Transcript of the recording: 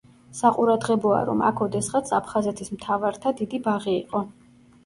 საყურადღებოა, რომ აქ ოდესღაც აფხაზეთის მთავართა დიდი ბაღი იყო.